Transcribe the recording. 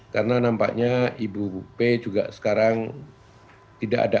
karena nampaknya ibu p juga sekarang tidak ada